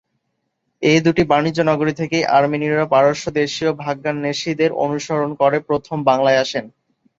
এ দুটি বাণিজ্য-নগরী থেকেই আর্মেনীয়রা পারস্যদেশীয় ভাগ্যান্বেষীদের অনুসরণ করে প্রথম বাংলায় আসেন।